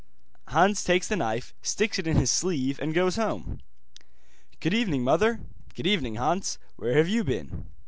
Hans takes the knife, sticks it in his sleeve, and goes home. 'Good evening, mother.' 'Good evening, Hans. Where have you been?